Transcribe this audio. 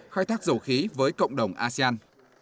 khai thác dầu khí với cộng đồng asean